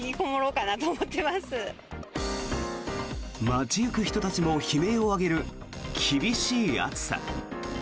街行く人たちも悲鳴を上げる厳しい暑さ。